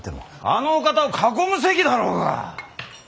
あのお方を囲む席だろうが。